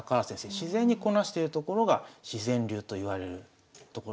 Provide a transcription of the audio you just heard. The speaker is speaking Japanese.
自然にこなしてるところが自然流といわれるところ。